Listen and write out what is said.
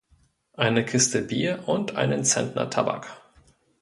Eine Kiste Bier und einen Zentner Tabak.